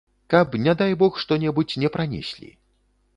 Каб не дай бог, што-небудзь не пранеслі.